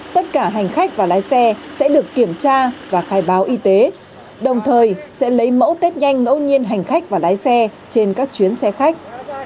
tất cả hành khách và lái xe sẽ được kiểm tra và khai báo y tế đồng thời sẽ lấy mẫu test nhanh ngẫu nhiên hành khách và lái xe trên các chuyến xe khách